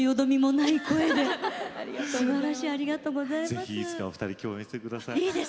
ぜひいつかお二人共演してください。